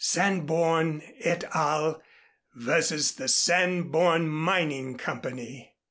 "_Sanborn et al. vs. The Sanborn Mining Company.